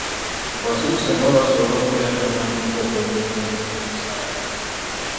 Abasomesa nabo basobola okubeera n'amadduuka okwongereza ku nyingiza yabwe.